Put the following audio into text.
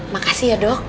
makasih ya dok